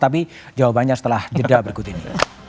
tapi jawabannya setelah jeda berikut ini